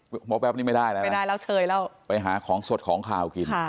วับวับวับนี่ไม่ได้แล้วไปหาของสดของข่าวกิน